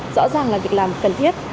rõ ràng là việc làm cần thiết